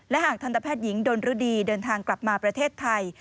หากทันตแพทย์หญิงดนฤดีเดินทางกลับมาประเทศไทย